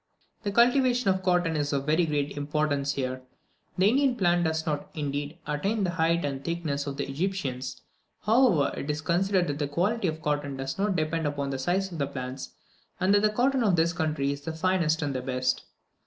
The cultivation of cotton is of very great importance here. The Indian plant does not, indeed, attain the height and thickness of the Egyptian; however, it is considered that the quality of the cotton does not depend upon the size of the plants, and that the cotton of this country is the finest and the best.